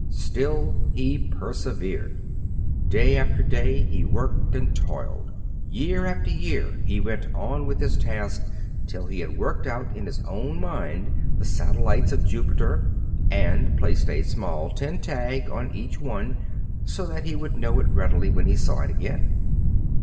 Still he persevered. Day after day he worked and toiled. Year after year he went on with his task till he had worked out in his own mind the satellites of Jupiter and placed a small tin tag on each one, so that he would know it readily when he saw it again.